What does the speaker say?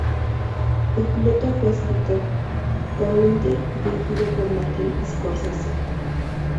El piloto fue escrito por Winter y dirigido por Martin Scorsese.